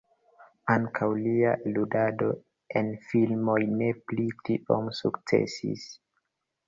Ankaŭ lia ludado en filmoj ne pli tiom sukcesis.